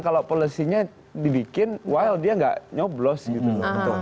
kalo polisi nya dibikin while dia gak nyoblos gitu loh